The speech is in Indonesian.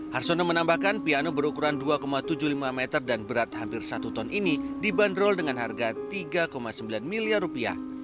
harsono menambahkan piano berukuran dua tujuh puluh lima meter dan berat hampir satu ton ini dibanderol dengan harga tiga sembilan miliar rupiah